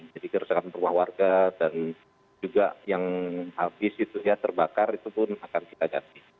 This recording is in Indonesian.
jadi kerusakan rumah warga dan juga yang habis itu ya terbakar itu pun akan kita ganti